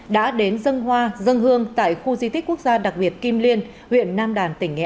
đã đến dân hoa dân hương tại khu di tích quốc gia đặc biệt kim liên huyện nam đàn tỉnh nghệ an